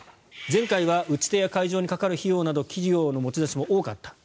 前回は打ち手や会場にかかる費用など企業の持ち出しも多かった。